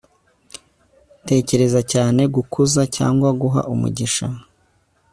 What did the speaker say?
Tekereza cyane gukuza cyangwa guha umugisha